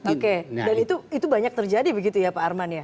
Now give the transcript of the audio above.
oke dan itu banyak terjadi begitu ya pak arman ya